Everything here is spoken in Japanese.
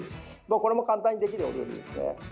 これも簡単にできるお料理ですね。